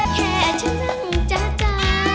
แค่เชิงนั่งจ้า